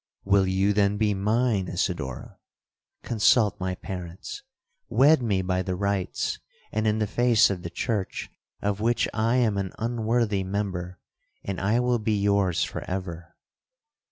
'—'Will you then be mine, Isidora?'—'Consult my parents. Wed me by the rites, and in the face of the church, of which I am an unworthy member, and I will be yours for ever.'